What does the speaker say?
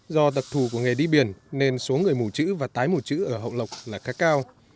do đặc thù của nghề đi biển nên số người mù chữ và tái mù chữ ở hậu lộc là khá cao